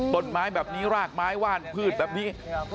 ต้นไม้แบบนี้รากไม้ว่านพืชแบบนี้